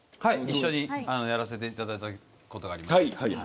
一緒にやらせていただいたことがありました。